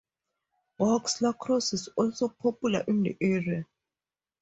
Box lacrosse is also popular in the area.